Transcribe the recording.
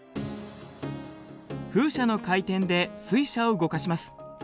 風車の回転で水車を動かします。